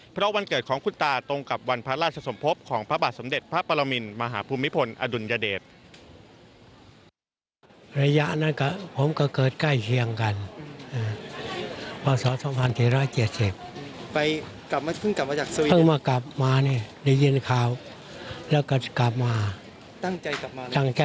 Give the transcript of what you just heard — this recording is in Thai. เพราะวันเกิดของคุณตาตรงกับวันพระราชสมภพของพระบาทสมเด็จพระปรมินมหาภูมิพลอดุลยเดช